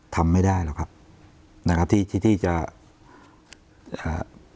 ทำไม่ได้หรอกครับนะครับที่ที่ที่จะอ่า